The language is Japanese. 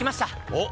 おっ！